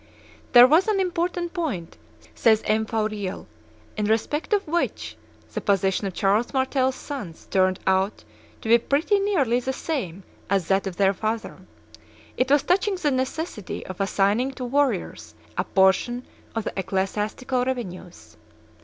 "There was an important point," says M. Fauriel, "in respect of which the position of Charles Martel's sons turned out to be pretty nearly the same as that of their father: it was touching the necessity of assigning to warriors a portion of the ecclesiastical revenues.